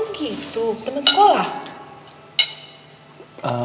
oh gitu temen sekolah